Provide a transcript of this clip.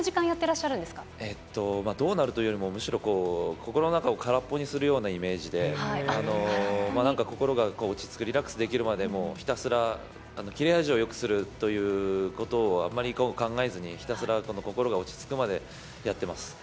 しゃどうなるというよりも、むしろ心の中を空っぽにするようなイメージで、心が落ち着く、リラックスできるまでひたすら切れ味をよくするということをあまり考えずに、ひたすら心が落ち着くまでやってます。